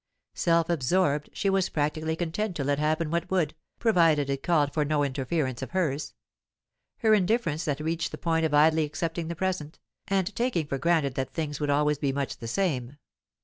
Self absorbed, she was practically content to let happen what would, provided it called for no interference of hers. Her indifference had reached the point of idly accepting the present, and taking for granted that things would always be much the same.